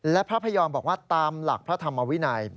และพระพยอมบอกว่าตามหลักพระธรรมวินัย